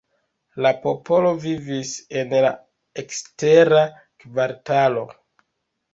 La popolo vivis en la ekstera kvartalo.